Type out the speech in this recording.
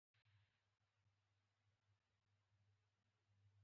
سهار پر پنځه بجې به مارسیلي ته راته، چې توند باد به وو.